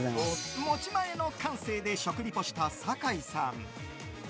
持ち前の感性で食リポした酒井さん。